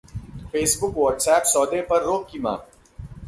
Facebook WhatsApp सौदे पर रोक की मांग